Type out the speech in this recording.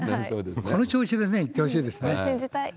この調子でね、いってほしいです信じたい。